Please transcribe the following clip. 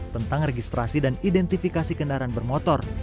tentang registrasi dan identifikasi kendaraan bermotor